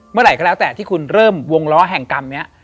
เมื่อไหร่ก็แล้วแต่ที่คุณเริ่มวงล้อแห่งกรรมนี้